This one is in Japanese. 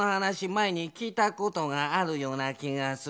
まえにきいたことがあるようなきがするなぁ。